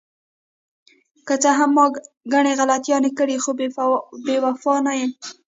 که څه هم ما ګڼې غلطیانې کړې، خو بې وفا نه یم.